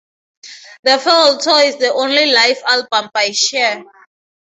The Farewell Tour is the only live album by Cher.